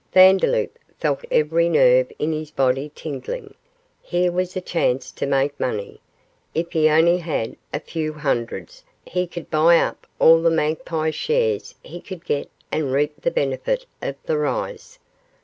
Vandeloup felt every nerve in his body tingling. Here was a chance to make money. If he only had a few hundreds he could buy up all the Magpie shares he could get and reap the benefit of the rise.